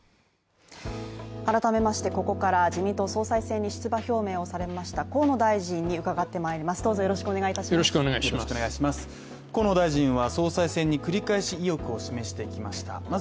改めましてここから自民党総裁選に出馬表明をされました河野大臣に伺ってまいります。